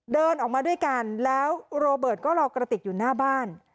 เดินออกมาด้วยกันแล้วโรเบิร์ตก็รอกระติกอยู่หน้าบ้าน